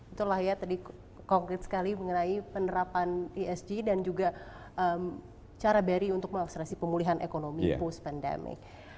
itulah ya tadi konkret sekali mengenai penerapan esg dan juga cara bri untuk mengakselerasi pemulihan ekonomi post pandemic